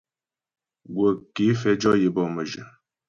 Gwə̀ ké fɛ jɔ yəbɔ mə́jyə.